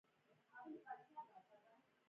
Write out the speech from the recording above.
آیا دوی خپله دفاعي اړتیا نه پوره کوي؟